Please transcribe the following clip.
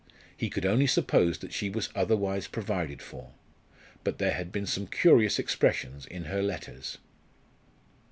He could only suppose that she was otherwise provided for. But there had been some curious expressions in her letters.